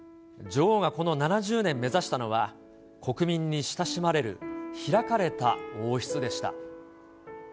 女王がこの７０年目指したのは、国民に親しまれる開かれた王室でした。